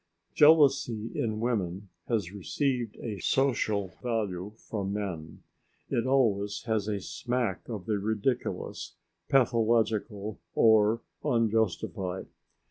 Jealousy in women has received a social valuation from men; it always has a smack of the ridiculous, pathological, or unjustified.